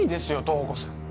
塔子さん